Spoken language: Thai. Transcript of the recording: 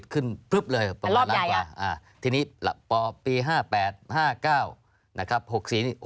คืออย่างนี้ครับพอปี๕๗ขึ้นทะเบียน